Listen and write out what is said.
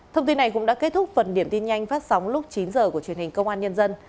thông tin này cũng đã kết thúc phần điểm tin nhanh phát sóng lúc chín h của truyền hình công an nhân dân